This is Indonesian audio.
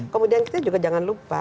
kemudian kita juga jangan lupa